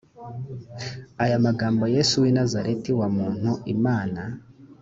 aya magambo yesu w i nazareti wa muntu imana